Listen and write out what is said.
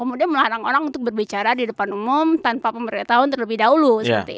kemudian melarang orang untuk berbicara di depan umum tanpa pemberitahuan terlebih dahulu